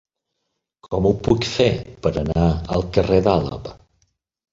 Com ho puc fer per anar al carrer d'Àlaba?